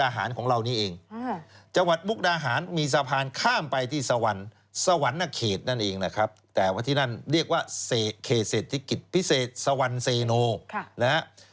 แต่วันที่นั่นเรียกว่าเคเศรษฐกิจพิเศษสวรรค์เสนู